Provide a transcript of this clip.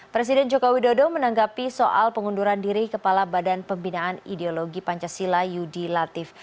presiden joko widodo menanggapi soal pengunduran diri kepala badan pembinaan ideologi pancasila yudi latif